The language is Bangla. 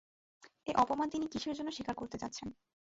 এ অপমান তিনি কিসের জন্যে স্বীকার করতে যাচ্ছেন?